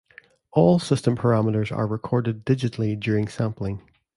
All system parameters are recorded digitally during sampling.